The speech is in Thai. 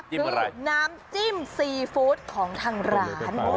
คือน้ำจิ้มซีฟู้ดของทางร้าน